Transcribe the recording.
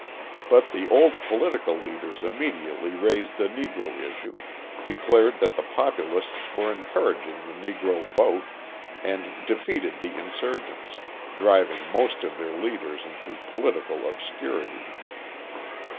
But the old political leaders immediately raised the Negro issue, declared that the Populists were encouraging the Negro vote, and defeated the insurgents, driving most of their leaders into political obscurity.